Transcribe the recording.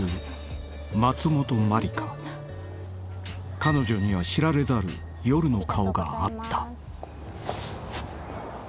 ［彼女には知られざる夜の顔があった］